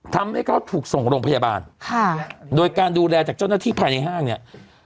ทำให้เขาถูกส่งโรงพยาบาลค่ะโดยการดูแลจากเจ้าหน้าที่ภายในห้างเนี่ย